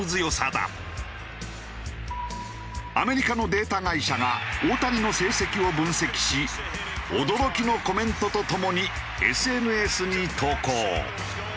アメリカのデータ会社が大谷の成績を分析し驚きのコメントとともにＳＮＳに投稿。